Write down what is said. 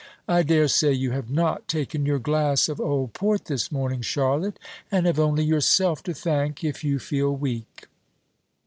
I dare say you have not taken your glass of old port this morning, Charlotte, and have only yourself to thank if you feel weak."